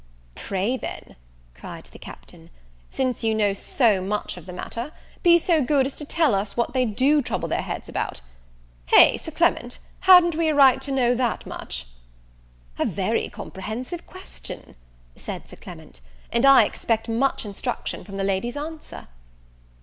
"Pray then," cried the Captain, "since you know so much of the matter, be so good as to tell us what they do trouble their heads about? Hey, Sir Clement! han't we a right to know that much?" "A very comprehensive question," said Sir Clement, "and I expect much instruction from the lady's answer."